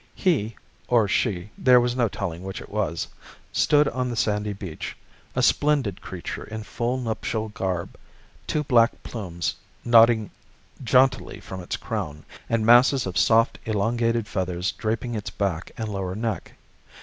He (or she; there was no telling which it was) stood on the sandy beach, a splendid creature in full nuptial garb, two black plumes nodding jauntily from its crown, and masses of soft elongated feathers draping its back and lower neck.